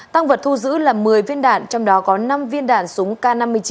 tăng vật thu giữ là một mươi viên đạn trong đó có năm viên đạn súng k năm mươi chín